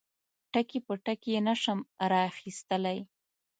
ټکي په ټکي یې نشم را اخیستلای.